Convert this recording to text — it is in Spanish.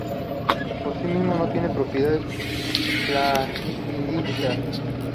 Por sí mismo no tiene propiedades plaguicidas.